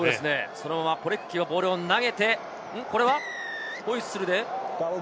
そのままポレクキがボールを投げて、これはホイッスルで。